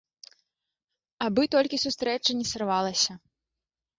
Абы толькі сустрэча не сарвалася.